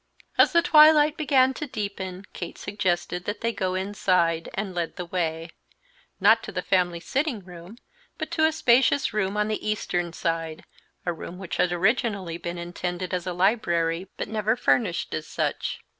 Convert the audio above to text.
As the twilight began to deepen Kate suggested that they go inside, and led the way, not to the family sitting room, but to a spacious room on the eastern side, a room which had originally been intended as a library, but never furnished as such.